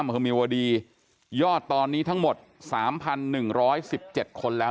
อำเภอมีวดียอดตอนนี้ทั้งหมด๓๑๑๗คนแล้ว